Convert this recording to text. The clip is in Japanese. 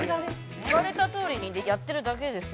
◆言われたとおりにやってるだけですよ。